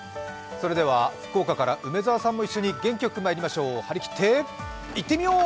それでは福岡から梅澤さんも一緒に元気よくまいりましょう、張り切っていってみよう！